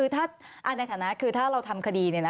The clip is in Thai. ถ้าในฐานะคือถ้าเราทำคดี